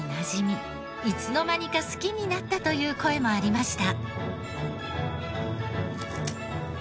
いつの間にか好きになったという声もありました。